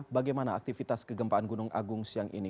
bagaimana aktivitas kegempaan gunung agung siang ini